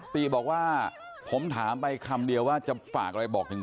ติบอกว่าผมถามไปคำเดียวว่าจะฝากอะไรบอกถึง